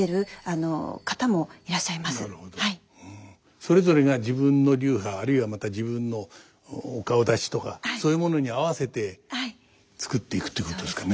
それぞれが自分の流派あるいはまた自分のお顔だちとかそういうものに合わせて作っていくっていうことですかね。